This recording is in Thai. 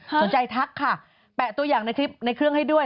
สนใจทักค่ะแปะตัวอย่างในคลิปในเครื่องให้ด้วย